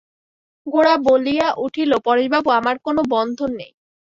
গোরা বলিয়া উঠিল, পরেশবাবু, আমার কোনো বন্ধন নেই।